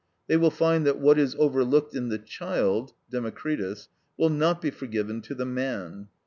They will find that what is overlooked in the child (Democritus) will not be forgiven to the man.